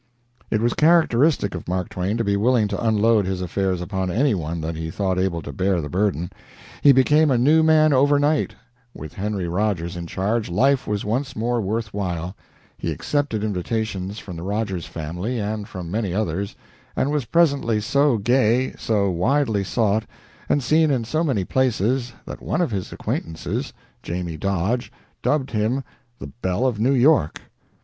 It was characteristic of Mark Twain to be willing to unload his affairs upon any one that he thought able to bear the burden. He became a new man overnight. With Henry Rogers in charge, life was once more worth while. He accepted invitations from the Rogers family and from many others, and was presently so gay, so widely sought, and seen in so many places that one of his acquaintances, "Jamie" Dodge, dubbed him the "Belle of New York."